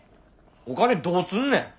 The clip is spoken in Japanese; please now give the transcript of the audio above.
お金どうすんねん。